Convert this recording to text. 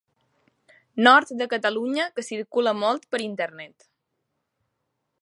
Nord de Catalunya que circula molt per internet.